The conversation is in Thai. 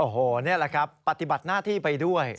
โหนะฮะปฏิบัติหน้าที่ไปด้วย